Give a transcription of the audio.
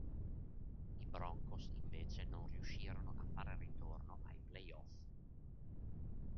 I Broncos invece non riuscirono a fare ritorno ai playoff.